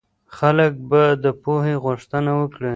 خلک به د پوهې غوښتنه وکړي.